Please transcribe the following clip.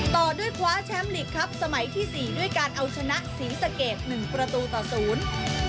ต่อด้วยคว้าแชมป์ลีกครับสมัยที่สี่ด้วยการเอาชนะศรีสะเกดหนึ่งประตูต่อศูนย์